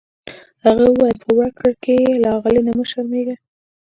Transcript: هغه وویل په ورکړه کې یې له اغلې نه مه شرمیږه.